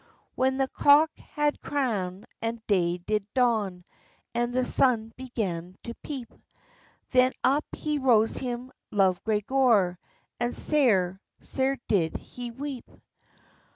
When the cock had crawn, and day did dawn, And the sun began to peep, Then up he rose him, Love Gregor, And sair, sair did he weep.